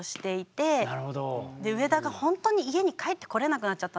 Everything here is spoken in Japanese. で上田がほんとに家に帰ってこれなくなっちゃったんですよ